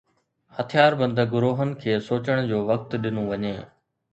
هٿياربند گروهن کي سوچڻ جو وقت ڏنو وڃي.